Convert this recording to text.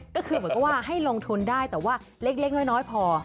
ก็คือเหมือนกับว่าให้ลงทุนได้แต่ว่าเล็กน้อยพอ